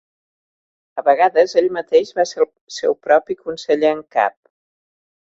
A vegades, ell mateix va ser el seu propi Conseller en Cap.